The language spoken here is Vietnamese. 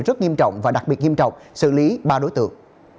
rất nghiêm trọng và đặc biệt nghiêm trọng xử lý ba đối tượng